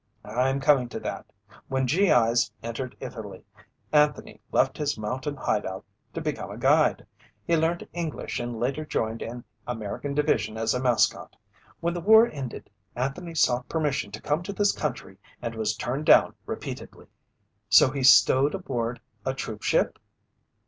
"I'm coming to that. When G.I.'s entered Italy, Anthony left his mountain hideout to become a guide. He learned English and later joined an American division as a mascot. When the war ended, Anthony sought permission to come to this country and was turned down repeatedly." "So he stowed aboard a troopship?"